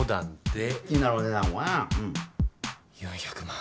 ４００万。